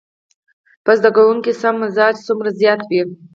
په زده کوونکي کې سم مزاج څومره زيات وي.